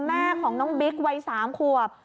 แม่ของน้องบิ๊กวัย๓ขวบ